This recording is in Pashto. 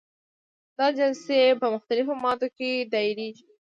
دا جلسې په مختلفو مودو کې دایریږي.